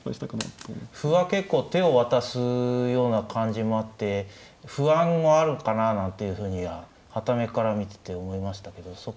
歩は結構手を渡すような感じもあって不安もあるかななんていうふうにははた目から見てて思いましたけどそこは。